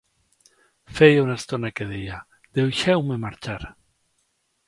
Feia una estona que deia: "Deixeu-me marxar!".